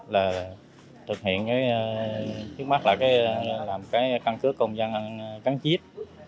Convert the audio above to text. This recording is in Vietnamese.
là thực hiện trước mắt là làm căn cứ công dân cắn chip